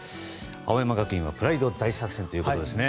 青山学院はプライド大作戦ということですね。